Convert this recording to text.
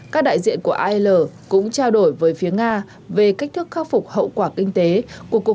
các đại diện của al cũng trao đổi với phía nga về cách thức khắc phục hậu quả kinh tế của cuộc